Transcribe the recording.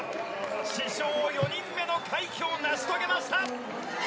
史上４人目の快挙を成し遂げました。